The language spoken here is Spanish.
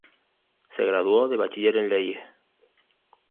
Se graduó de Bachiller en leyes.